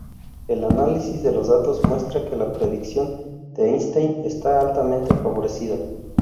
El análisis de los datos muestra que la predicción de Einstein está altamente favorecida.